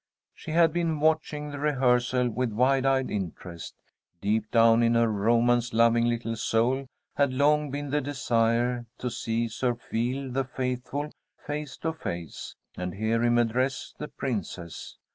She had been watching the rehearsal with wide eyed interest. Deep down in her romance loving little soul had long been the desire to see Sir Feal the Faithful face to face, and hear him address the Princess.